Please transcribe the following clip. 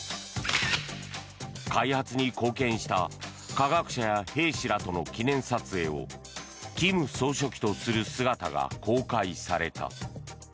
開発に貢献した科学者や兵士らとの記念撮影を金総書記とする姿が公開された。